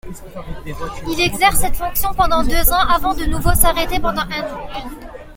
Il exerce cette fonction pendant deux ans avant de nouveau s'arrêter pendant un an.